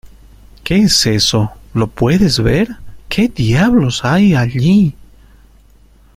¿ Qué es eso? ¿ lo puedes ver ?¿ qué diablos hay allí ?